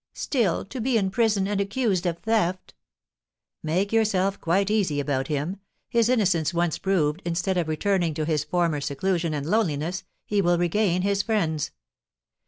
Still, to be in prison, and accused of theft!" "Make yourself quite easy about him; his innocence once proved, instead of returning to his former seclusion and loneliness, he will regain his friends.